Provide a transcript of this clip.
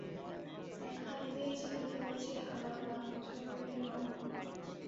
এক হাত দিয়ে চেপে ধরেছে আমার বাথরুমের নব।